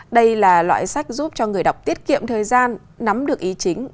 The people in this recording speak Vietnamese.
đây là loại sách giúp cho người đọc tiết kiệm thời gian nắm được ý chính